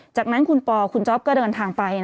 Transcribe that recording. จากนั้นคุณปอคุณจ๊อปก็เดินทางไป